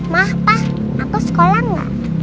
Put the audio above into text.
ma pa aku sekolah gak